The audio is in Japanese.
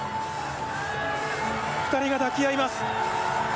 ２人が抱き合います。